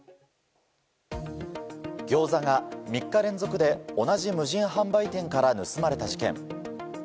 ギョーザが３日連続で同じ無人販売所から盗まれた事件。